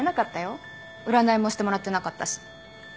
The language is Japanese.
占いもしてもらってなかったし。